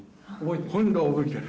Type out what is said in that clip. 今度は覚えてる。